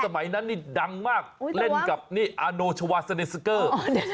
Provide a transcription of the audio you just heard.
สมัยนั้นนี่ดังมากเล่นกับนี่อาโนชาวาเซเนสเกอร์